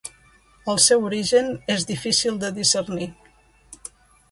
El seu origen és difícil de discernir.